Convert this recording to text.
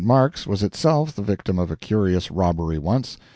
Mark's was itself the victim of a curious robbery once.